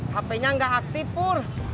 hpnya gak aktif pur